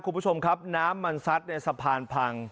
คุณผู้ชมครับน้ำมันซัดในสะพานพัง